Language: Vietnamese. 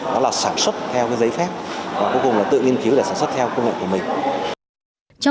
đó là sản xuất theo giấy phép và cuối cùng là tự nghiên cứu để sản xuất theo công nghệ của mình